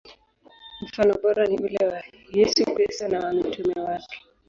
Mfano bora ni ule wa Yesu Kristo na wa mitume wake.